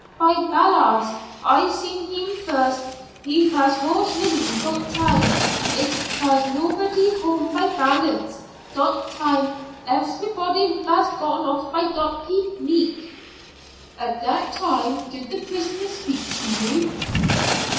"By Ballards' I seen heem first he vas horse ridin' dot time. It vas nobody home by Ballards' dot time. Eferybody vas gone off by dot peek neek." "At that time did the prisoner speak to you?"